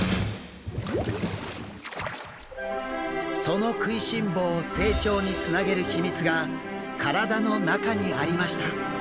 その食いしん坊を成長につなげる秘密が体の中にありました。